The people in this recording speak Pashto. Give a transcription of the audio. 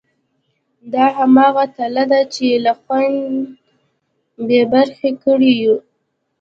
دا همغه تله ده چې له خوند بې برخې کړي یو.